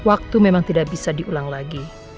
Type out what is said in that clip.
waktu memang tidak bisa diulang lagi